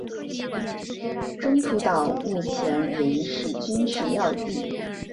中途岛目前仍是军事要地。